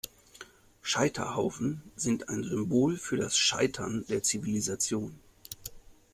Scheiterhaufen sind ein Symbol für das Scheitern der Zivilisation.